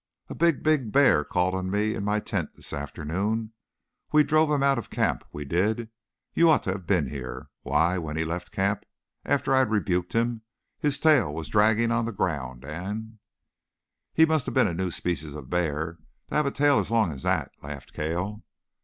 A big, big bear called on me in my tent this afternoon. We drove him out of the camp, we did. You ought to have been here. Why, when he left the camp after I had rebuked him, his tail was dragging on the ground, and " "He must have been a new species of bear to have a tail as long as that," laughed Cale.